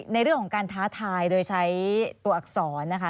ในเรื่องของการท้าทายโดยใช้ตัวอักษรนะคะ